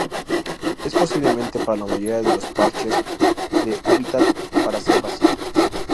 Es posible para la mayoría de los parches de hábitat para ser vacío.